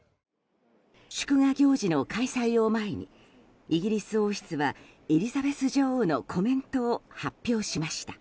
祝賀行事の開催を前にイギリス王室はエリザベス女王のコメントを発表しました。